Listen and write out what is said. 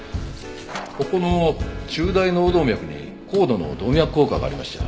ここの中大脳動脈に高度の動脈硬化がありました。